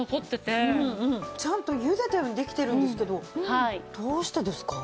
ちゃんとゆでたようにできてるんですけどどうしてですか？